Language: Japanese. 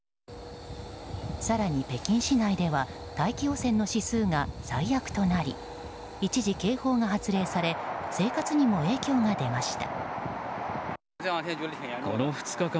更に、北京市内では大気汚染の指数が最悪となり一時、警報が発令され生活にも影響が出ました。